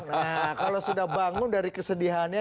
nah kalau sudah bangun dari kesedihannya